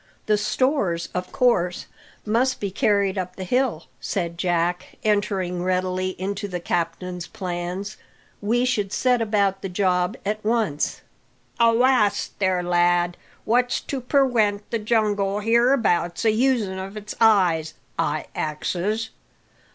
"The stores, of course, must be carried up the hill," said Jack, entering readily into the captain's plans. "We should set about the job at once." "Avast there, lad! What's to perwent the jungle hereabouts a usin' of its eyes? I axes.